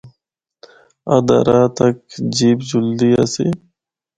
ادھا راہ تک جیپ جُلدی آسی۔